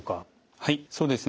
はいそうですね。